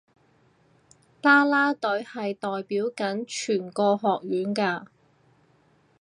啦啦隊係代表緊全個學院㗎